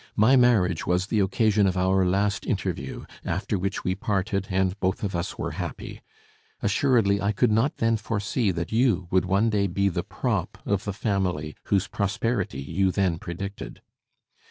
My marriage was the occasion of our last interview, after which we parted, and both of us were happy. Assuredly I could not then foresee that you would one day be the prop of the family whose prosperity you then predicted.